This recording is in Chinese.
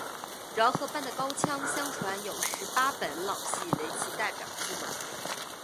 饶河班的高腔相传有十八本老戏为其代表剧码。